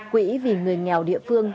quỹ vì người nghèo địa phương